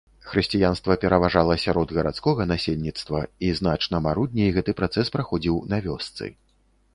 Хрысціянства пераважала сярод гарадскога насельніцтва, і значна марудней гэты працэс праходзіў на вёсцы.